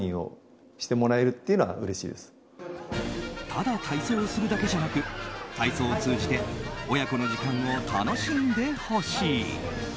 ただ体操をするだけじゃなく体操を通じて親子の時間を楽しんでほしい。